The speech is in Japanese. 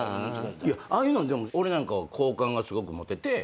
ああいうのでも俺なんかは好感がすごく持てて。